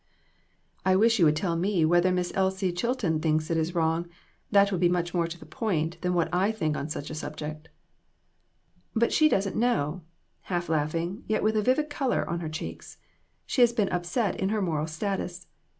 " I wish you would tell me whether Miss Elsie Chilton thinks it is wrong ; that would be much more to the point than what I think on such a subject." "But she doesn't know," half laughing, yet with a vivid color on her cheeks. " She has been upset in her moral status.